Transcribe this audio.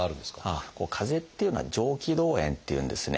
かぜっていうのは「上気道炎」っていうんですね。